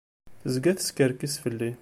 Tezga teskerkis fell-i.